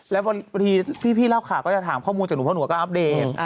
แล้วบางทีพี่เล่าข่าวก็จะถามข้อมูลจากหนูเพราะหนูก็อัปเดต